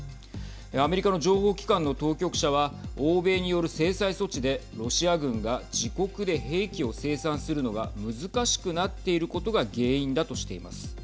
アメリカの情報機関の当局者は欧米による制裁措置でロシア軍が自国で兵器を生産するのが難しくなっていることが原因だとしています。